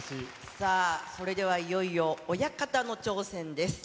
さあ、それではいよいよ親方の挑戦です。